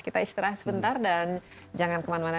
kita istirahat sebentar dan jangan kemana mana